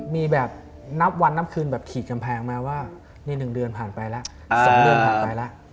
มีแบบนับวันนับคืนแบบขีดกำแพงมาว่านี่๑เดือนผ่านไปแล้ว๒เดือนผ่านไปแล้ว